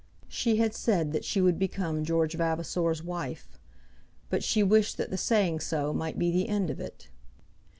She had said that she would become George Vavasor's wife, but she wished that the saying so might be the end of it.